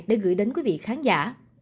để gửi đến quý vị khán giả